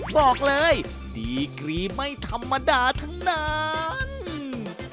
บอกเลยดีกรีไม่ธรรมดาทั้งนั้น